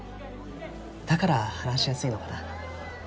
だから話しやすいのかな？